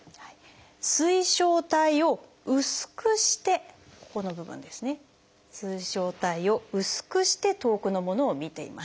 水晶体を薄くしてここの部分ですね水晶体を薄くして遠くのものを見ています。